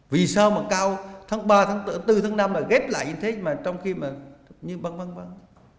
vì sao mà cao tháng ba tháng bốn tháng năm là ghép lại như thế mà trong khi mà băng băng băng